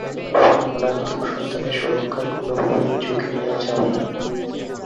ফলে অনাগত সন্তানের সুরক্ষায় কোনোভাবেই ঝুঁকি নেওয়া যাবে না।